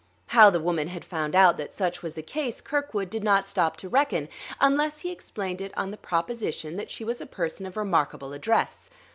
How the woman had found out that such was the case, Kirkwood did not stop to reckon; unless he explained it on the proposition that she was a person of remarkable address.